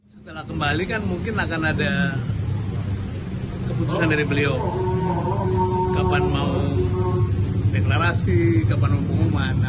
setelah kembali kan mungkin akan ada keputusan dari beliau kapan mau deklarasi kapan hukuman